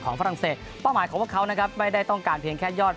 ฝรั่งเศสเป้าหมายของพวกเขานะครับไม่ได้ต้องการเพียงแค่ยอด